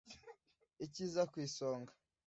Ikiza ku isonga